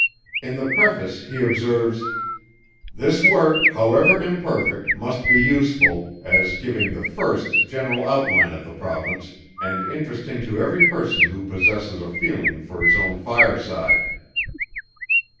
In the preface he observes: "This work, however imperfect, must be useful, as giving the first general outline of the Province, and interesting to every person who possesses a feeling for his own fireside."